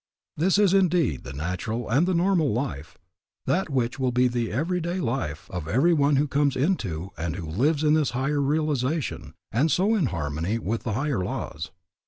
This is indeed the natural and the normal life, that which will be the every day life of every one who comes into and who lives in this higher realization and so in harmony with the higher laws.